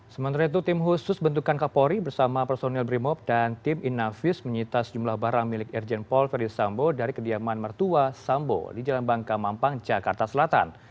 sementara itu tim khusus bentukan kapolri bersama personil brimob dan tim inavius menyita sejumlah barang milik irjen paul verdi sambo dari kediaman mertua sambo di jalan bangka mampang jakarta selatan